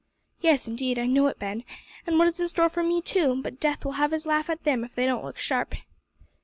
"Yes, indeed, I know it, Ben, and what is in store for me too; but Death will have his laugh at them if they don't look sharp."